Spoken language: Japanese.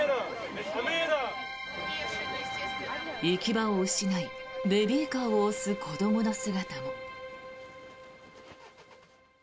行き場を失い、ベビーカーを押す子どもの姿も。